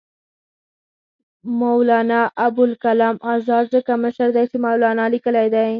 مولنا ابوالکلام آزاد ځکه مشر دی چې مولنا لیکلی دی.